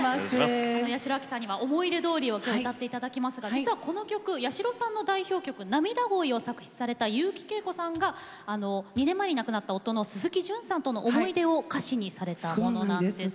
八代亜紀さんには「想い出通り」を今日歌っていただきますが実はこの曲八代さんの代表曲「なみだ恋」を作詞された悠木圭子さんが２年前に亡くなった夫の鈴木淳さんとの思い出を歌詞にされたものなんです。